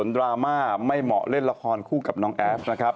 ดราม่าไม่เหมาะเล่นละครคู่กับน้องแอฟนะครับ